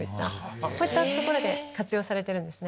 こういったところで活用されてるんですね。